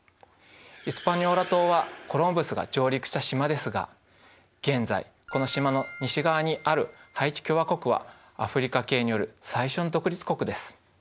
イスパニョーラ島はコロンブスが上陸した島ですが現在この島の西側にあるハイチ共和国はアフリカ系による最初の独立国です。